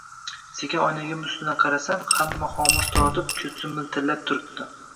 Sekin oynagim ustidan qarasam, hamma xomush tortib, ko‘zi miltillab turibdi.